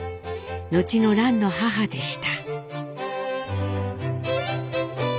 後の蘭の母でした。